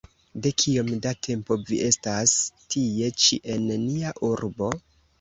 De kiom da tempo vi estas tie ĉi en nia urbo?